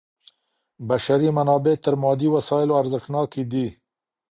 بشري منابع تر مادي وسایلو ارزښتناکي دي.